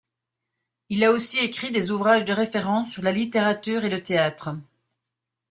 Il a aussi écrit des ouvrages de référence sur la littérature et le théâtre.